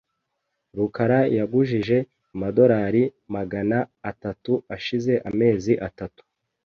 rukara yagujije amadorari magana atatu ashize amezi atatu .